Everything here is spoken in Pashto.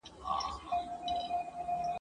په هر شعر کي یې د افغان اولس ناخوالو ته ..